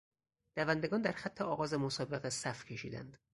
دوندگان در خط آغاز مسابقه صف کشیدند.